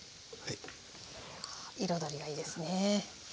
彩りがいいですね。